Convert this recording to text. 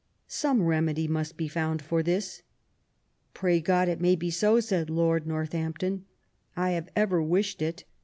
115 some remedy must be found for this." Pray God, it may be so," said Lord Northampton, '* I have ever wished it."